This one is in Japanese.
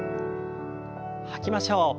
吐きましょう。